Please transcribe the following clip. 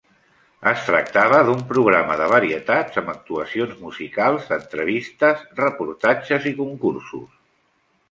Es tractava d'un programa de varietats amb actuacions musicals, entrevistes, reportatges i concursos.